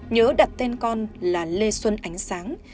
nhớ đặt tên con là lê xuân ánh sáng